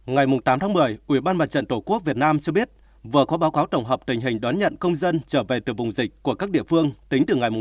ngày tám một mươi ubnd tq việt nam cho biết vừa có báo cáo tổng hợp tình hình đón nhận công dân trở về từ vùng dịch của các địa phương tính từ ngày một một mươi